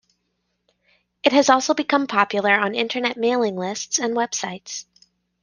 It has also become popular on Internet mailing lists and websites.